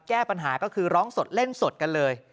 แก้ปัญหาก็คือร้องสดเล่นสดกันเลย